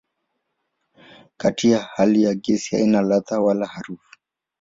Katika hali ya gesi haina ladha wala harufu.